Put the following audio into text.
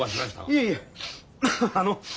いえいえあの。